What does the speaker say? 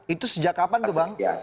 itu sejak kapan tuh bang